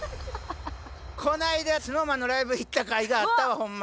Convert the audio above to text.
この間ＳｎｏｗＭａｎのライブ行ったかいがあったわホンマ。